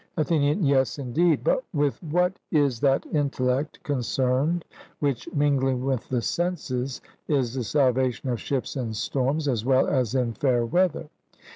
ATHENIAN: Yes, indeed; but with what is that intellect concerned which, mingling with the senses, is the salvation of ships in storms as well as in fair weather?